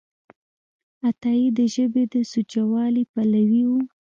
عطایي د ژبې د سوچهوالي پلوی و.